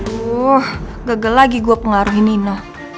wuh gagal lagi gue pengaruh ini ino